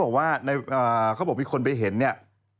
บอกว่าเขาบอกมีคนไปเห็นเนี่ย